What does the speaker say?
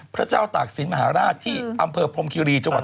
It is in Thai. พระเจ้าตากศิลปมหาราชที่อำเภอพรมคิรีจังหวัด